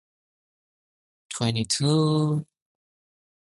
Offer a solution or resolution to the complaint if possible.